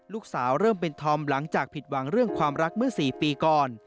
เริ่มเป็นธอมหลังจากผิดหวังเรื่องความรักเมื่อ๔ปีก่อน